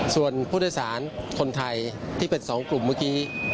ส่วนผู้โดยสารคนไทยที่เป็น๒กลุ่มเมื่อกี้